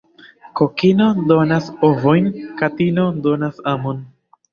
Kokino donas ovojn, katino donas amon.